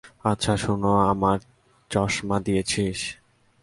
আচ্ছা শুন আমার চশমা দিয়েছিস?